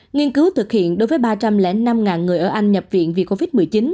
nghiên cứu thực hiện đối với ba trăm linh năm người ở anh nhập viện vì covid một mươi chín